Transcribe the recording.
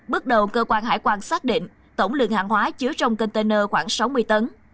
bước đầu cơ quan hải quan xác định tổng lượng hàng hóa chứa trong container khoảng sáu mươi tấn